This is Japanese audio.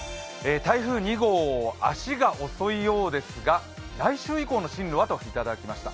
台風２号、足が遅いようですが、来週以降の進路は？といただきました。